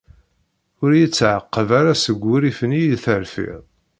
Ur iyi-ttɛaqab ara seg wurrif-nni i terfiḍ!